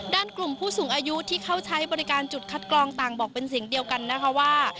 ด้านกลุ่มผู้สูงอายุที่เข้าใช้บริการจุดคัดกรองต่างบอกเป็นเสียงเดียวกันนะคะว่า